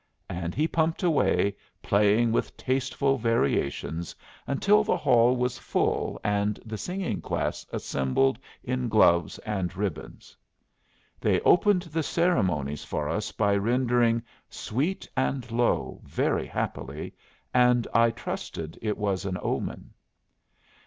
And he pumped away, playing with tasteful variations until the hall was full and the singing class assembled in gloves and ribbons. They opened the ceremonies for us by rendering "Sweet and Low" very happily; and I trusted it was an omen.